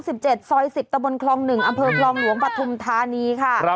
ซอย๑๐ตะบนคลอง๑อำเภอคลองหลวงปฐุมธานีค่ะ